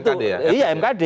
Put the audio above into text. itu masuk karena mkad ya